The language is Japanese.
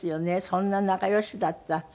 そんな仲良しだった